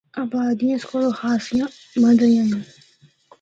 آبادیاں اس کولو خاصیاں مندریاں ہن۔